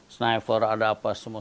sniper ada apa semua